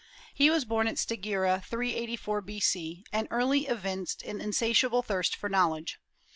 He was born at Stagira, 384 B.C., and early evinced an insatiable thirst for knowledge.